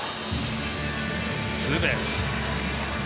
ツーベース。